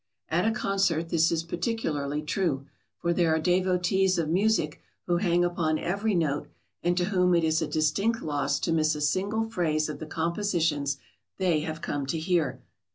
At a concert this is particularly true, for there are devotees of music who hang upon every note and to whom it is a distinct loss to miss a single phrase of the compositions they have come to hear.